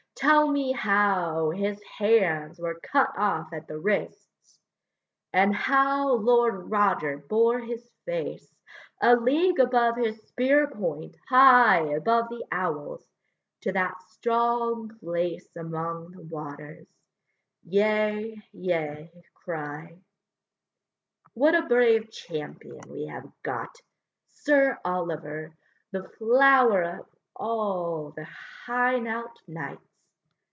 tell me how His hands were cut off at the wrists; And how Lord Roger bore his face A league above his spear point, high Above the owls, to that strong place Among the waters; yea, yea, cry: What a brave champion we have got! Sir Oliver, the flower of all The Hainault knights!